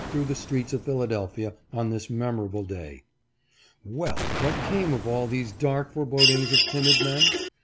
through the streets of Philadelphia on this memorable day. Well ! what came of all these dark forebodings of timid men